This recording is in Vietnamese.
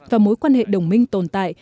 và mối quan hệ đồng minh tồn tại